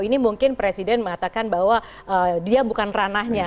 ini mungkin presiden mengatakan bahwa dia bukan ranahnya